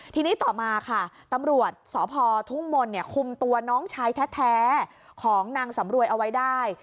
ทีนี้ต่อมาค่ะตำรวจสพทุ่งมนต์คุมตัวน้องชายแท้ของนางสำรวยเอาไว้ได้